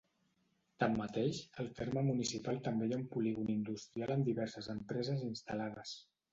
Tanmateix, al terme municipal també hi ha un polígon industrial amb diverses empreses instal·lades.